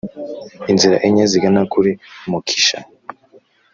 inzira enye zigana kuri moksha